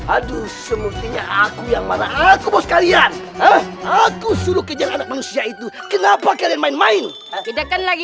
aku yang marah aku bos kalian aku suruh kejar anak manusia itu kenapa kalian main main lagi